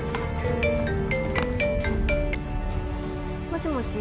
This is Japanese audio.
もしもし